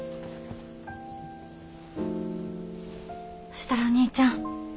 そしたらお兄ちゃん。